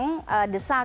apa yang terjadi sekarang